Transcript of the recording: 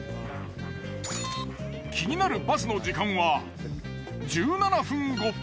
気になるバスの時間は１７分後。